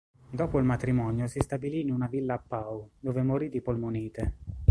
Dopo il matrimonio si stabilì in una villa a Pau, dove morì di polmonite.